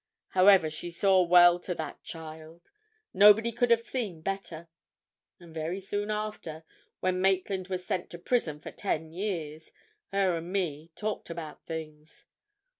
However, she saw well to that child; nobody could have seen better. And very soon after, when Maitland was sent to prison for ten years, her and me talked about things.